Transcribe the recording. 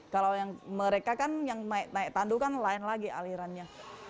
kalau yang mereka kan yang naik tandu kan lain lagi alirannya